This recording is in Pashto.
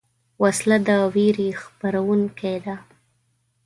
وسله د ویرې خپرونکې ده